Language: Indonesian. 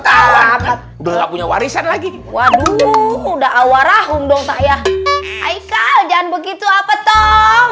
alamat udah punya warisan lagi waduh udah awarahum dong saya aikal jangan begitu apa toh